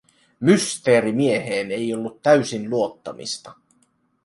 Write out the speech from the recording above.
Mysteerimieheen ei ollut täysin luottamista.